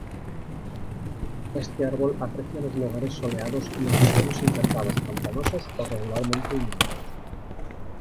Este árbol aprecia los lugares soleados y los terrenos encharcados, pantanosos o regularmente inundados.